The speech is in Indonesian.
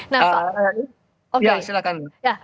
nah soalnya ya silahkan